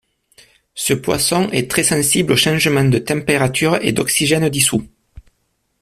Ce poisson est très sensible aux changements de température et d'oxygène dissous.